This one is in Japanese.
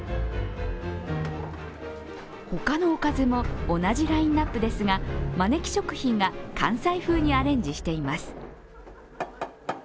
他のおかずも同じラインナップですが、まねき食品が関西風にアレンジしています。